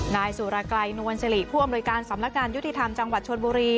นายสุรกรัยนวลสิริผู้อำนวยการสำนักงานยุติธรรมจังหวัดชนบุรี